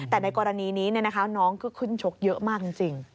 แต่ในกรณีนี้น้องก็ขึ้นชกเยอะมากจริง